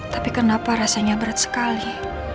tapi kenapa rasanya berat sekali